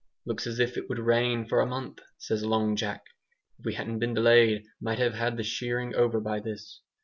"Looks as if it would rain for a month," says Long Jack. "If we hadn't been delayed might have had the shearing over by this."